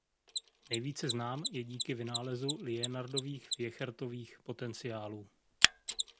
Nejvíce znám je díky vynálezu Liénardových–Wiechertových potenciálů.